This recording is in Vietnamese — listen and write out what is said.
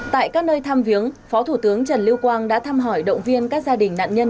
tại các nơi tham viếng phó thủ tướng trần lưu quang đã thăm hỏi động viên các gia đình nạn nhân